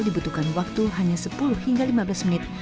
dibutuhkan waktu hanya sepuluh hingga lima belas menit